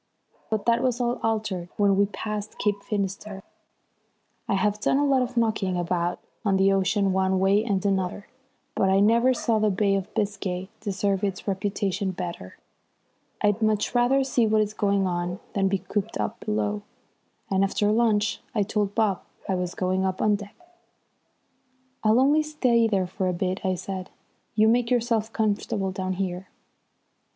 But that was all altered when we passed Cape Finisterre. I have done a lot of knocking about on the ocean one way and another, but I never saw the Bay of Biscay deserve its reputation better. I'd much rather see what is going on than be cooped up below, and after lunch I told Bob I was going up on deck. "I'll only stay there for a bit," I said. "You make yourself comfortable down here."